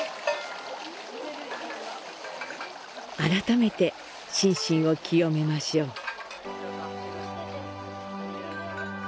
改めて心身を清めましょう。